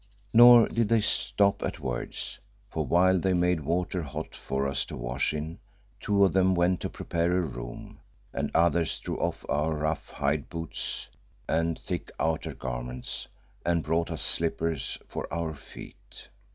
Nor did they stop at words, for while they made water hot for us to wash in, two of them went to prepare a room and others drew off our rough hide boots and thick outer garments and brought us slippers for our feet.